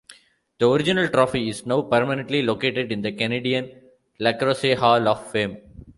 The original trophy is now permanently located in the Canadian Lacrosse Hall of Fame.